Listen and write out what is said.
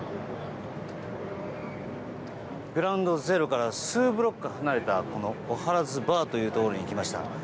グラウンド・ゼロから数ブロック離れたこのオハラズバーというところに来ました。